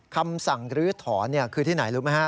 คำสั่งลื้อถอนคือที่ไหนรู้ไหมฮะ